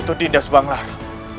itu dinda subang lara